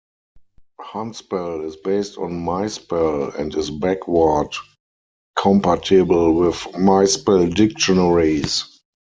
Hunspell is based on MySpell and is backward-compatible with MySpell dictionaries.